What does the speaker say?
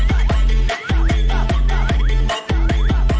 สวัสดีค่ะ